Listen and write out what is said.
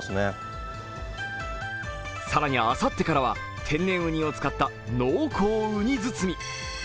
更にあさってからは天然うにを使った濃厚うに包み。